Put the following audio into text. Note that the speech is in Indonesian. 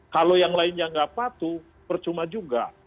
kalau yang lainnya nggak patuh percuma juga